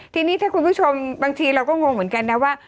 ทีนี้ถ้าคุณผู้ชมบางทีเราก็งงเหมือนกันนะว่า